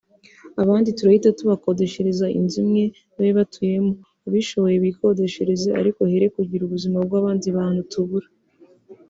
abandi turahita tubakodeshereza inzu imwe babe batuyemo abishoboye bikodeshereze ariko here kugira ubuzima bw’abandi bantu tubura